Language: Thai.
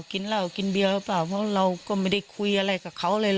กินเหล้ากินเบียร์หรือเปล่าเพราะเราก็ไม่ได้คุยอะไรกับเขาเลย